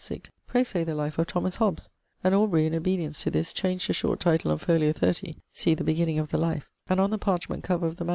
sic 'pray say the life of Thomas Hobbs.' And Aubrey, in obedience to this, changed the short title on fol. 30 (see the beginning of the life); and on the parchment cover of the MS.